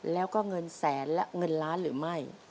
แล้วก็เงินแสนและเงินล้านหรือไม่